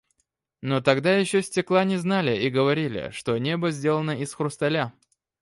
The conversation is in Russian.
Но тогда еще стекла не знали и говорили, что небо сделано из хрусталя.